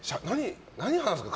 何話すんですか？